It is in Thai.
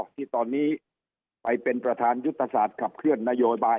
ที่ตอนนี้ไปเป็นประธานยุทธศาสตร์ขับเคลื่อนนโยบาย